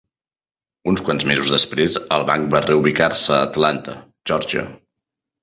Uns quants mesos després, el banc va reubicar-se a Atlanta, Georgia.